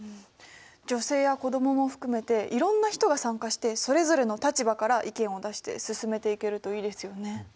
女性や子どもも含めていろんな人が参加してそれぞれの立場から意見を出して進めていけるといいですよね。